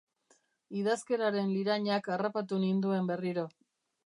Idazkeraren lirainak harrapatu ninduen berriro.